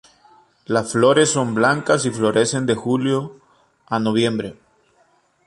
Las flores son blancas y florecen de julio a noviembre.